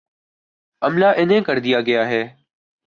عملا انہیں کر دیا گیا ہے۔